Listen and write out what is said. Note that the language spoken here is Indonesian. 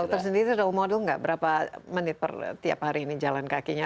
nah dokter sendiri itu model tidak berapa menit per tiap hari ini jalan kakinya